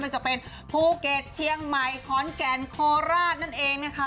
มันจะเป็นภูเก็ตเชียงใหม่ขอนแก่นโคราชนั่นเองนะคะ